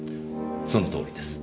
そのとおりです。